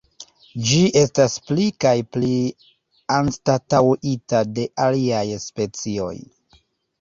Ĝi estas pli kaj pli anstataŭita de aliaj specioj.